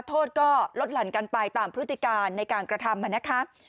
โทษก็ลดหลั่นกันไปตามพฤติการในการกระทำนะคะ